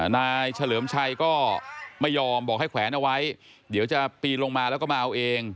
เฉลิมชัยก็ไม่ยอมบอกให้แขวนเอาไว้เดี๋ยวจะปีนลงมาแล้วก็มาเอาเอง